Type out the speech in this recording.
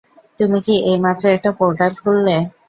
তুমি কি এইমাত্র একটা পোর্টাল খুললে?